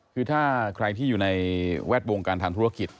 คือถ้าใครที่อยู่ในแวดวงการทำธุรกิจ